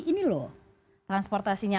ini loh transportasinya